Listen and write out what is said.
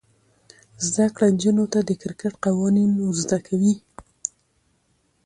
زده کړه نجونو ته د کرکټ قوانین ور زده کوي.